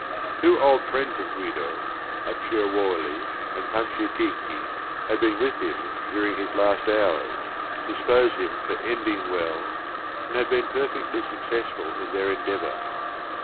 Two old friends of Guido, Acciaiuoli and Pan ciatichi, jiad been witn hi m during his last h ours, to dispose him tor ending well, and had been perfectly successful in their endeavor.